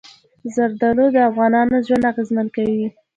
زردالو د افغانانو ژوند اغېزمن کوي.